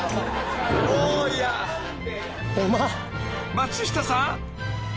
［松下さん］